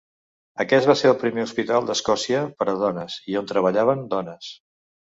Aquest va ser el primer hospital d'Escòcia per a dones i on treballaven dones.